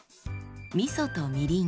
みそとみりん